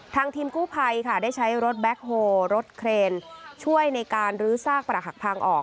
ทีมกู้ภัยค่ะได้ใช้รถแบ็คโฮรถเครนช่วยในการลื้อซากประหักพังออก